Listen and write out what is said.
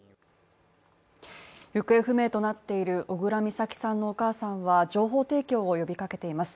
行方不明となっている小倉美咲さんのお母さんは情報提供を呼びかけています。